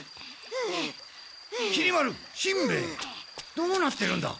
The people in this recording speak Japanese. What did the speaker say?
どうなってるんだ？